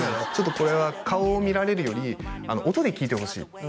「ちょっとこれは顔を見られるより音で聴いてほしい」